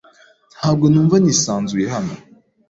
Ntabwo numva nisanzuye hano.